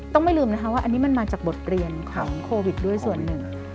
ไม่ลืมนะคะว่าอันนี้มันมาจากบทเรียนของโควิดด้วยส่วนหนึ่ง